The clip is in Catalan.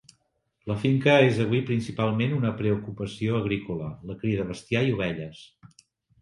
La finca és avui principalment una preocupació agrícola, la cria de bestiar i ovelles.